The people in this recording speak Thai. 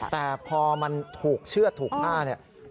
แต่พอมันถูกเชือดถูกฆ่าเนี่ย